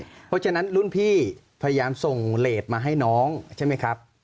เพราะฉะนั้นรุ่นพี่พยายามส่งเลสมาให้น้องใช่ไหมครับ